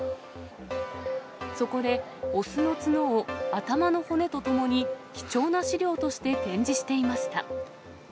そこで雄の角を頭の骨とともに、貴重な資料として展示していました。